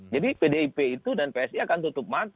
jadi pdip itu dan psi akan tutup mata